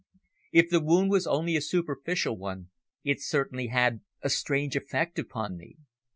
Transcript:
If the wound was only a superficial one it certainly had a strange effect upon me.